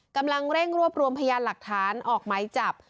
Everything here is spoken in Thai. กำลังเร่งรวบรวมพยานหลักฐานออกไหมจับ